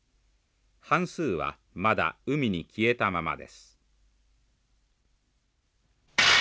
半数はまだ海に消えたままです。